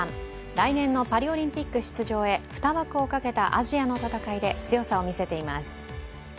来年のパリオリンピック出場へ２枠をかけたアジアの戦いで強さを見せています。